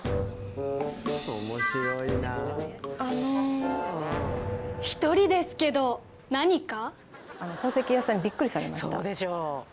えっあの１人ですけど何か？